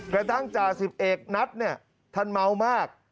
ใกล้ตั้งจ่า๑๑นัฐเนี่ยท่านเมามาก